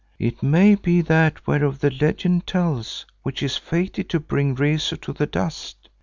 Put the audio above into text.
It may be that whereof the legend tells which is fated to bring Rezu to the dust.